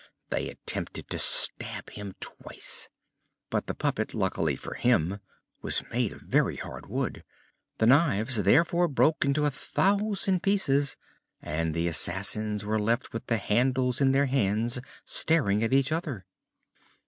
they attempted to stab him twice. But the puppet, luckily for him, was made of very hard wood; the knives therefore broke into a thousand pieces and the assassins were left with the handles in their hands, staring at each other.